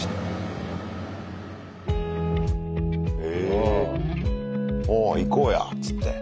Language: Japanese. おお行こうやっつって。